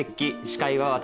司会は私